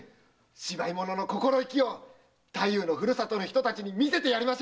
芝居者の心意気を太夫の故郷の人たちに見せてやりましょうよ！